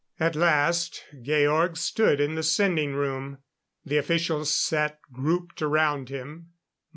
At last Georg stood in the sending room. The officials sat grouped around him.